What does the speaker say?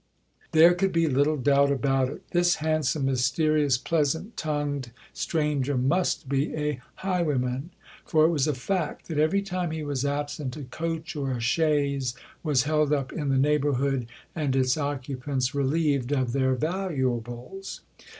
There could be little doubt about it. This handsome, mysterious, pleasant tongued stranger must be a highwayman; for it was a fact that every time he was absent, a coach or a chaise was held up in the neighbourhood and its occupants relieved of their valuables.